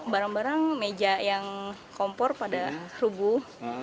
barang barang meja yang kompor pada rubuh